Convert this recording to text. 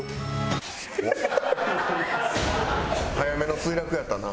早めの墜落やったな。